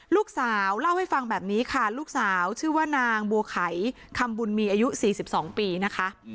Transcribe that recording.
ลูกสาวเล่าให้ฟังแบบนี้ค่ะลูกสาวชื่อว่านางบัวไขคำบุญมีอายุ๔๒ปีนะคะ